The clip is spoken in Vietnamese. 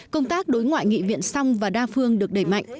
công tác đối ngoại nghị viện song và đa phương được đẩy mạnh